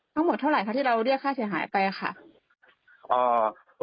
ทั้งหมดเท่าไหร่คะที่เราเรียกค่าเสียหายไปค่ะ